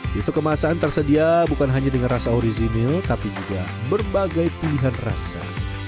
youtube kemasan tersedia bukan hanya dengan rasa original tapi juga berbagai pilihan rasa